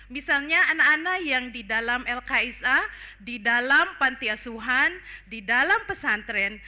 misalnya anak anak yang di dalam lksa di dalam panti asuhan di dalam pesantren